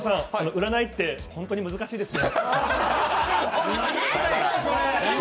占いって、ホントに難しいですね。